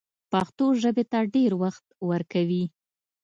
پښتو ژبې ته ډېر وخت ورکوي